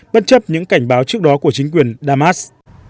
bất chấp những cảnh báo trước đó của chính quyền damas